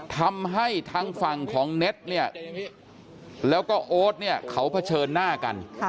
ทำให้ทางฝั่งของเน็ตเนี่ยแล้วก็โอ๊ตเนี่ยเขาเผชิญหน้ากัน